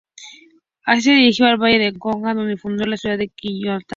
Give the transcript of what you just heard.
Así, se dirigió al valle del Aconcagua donde fundó la ciudad de Quillota.